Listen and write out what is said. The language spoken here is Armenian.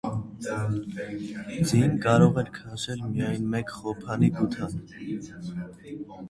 Ձին կարող էր քաշել միայն մեկ խոփանի գութան։